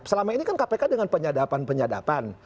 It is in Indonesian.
selama ini kan kpk dengan penyadapan penyadapan